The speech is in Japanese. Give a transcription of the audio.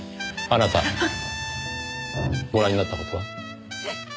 あなたご覧になった事は？え？